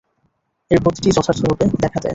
এর প্রতিটিই যথার্থরূপে দেখা দেয়।